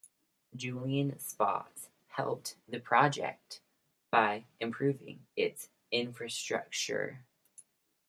Julian Spotts helped with the project by improving its infrastructure.